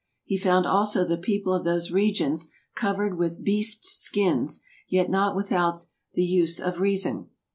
He found also the people of those regions couered with beastes skinnes, yet not without the vse of reason.